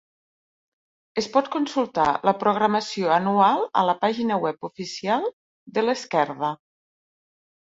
Es pot consultar la programació anual a la pàgina web oficial de l’Esquerda.